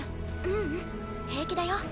ううん平気だよ。